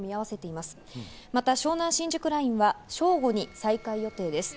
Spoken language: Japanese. また湘南新宿ラインは正午に再開予定です。